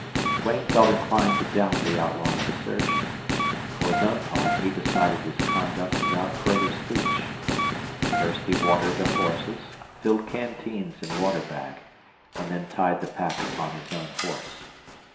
Duane felt inclined to doubt the outlaw's assertion. For his own part he decided his conduct without further speech. First he watered the horses, filled canteens and water bag, and then tied the pack upon his own horse.